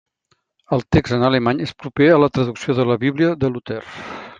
El text en alemany és proper a la traducció de la Bíblia de Luter.